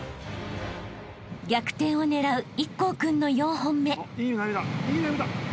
［逆転を狙う壱孔君の４本目］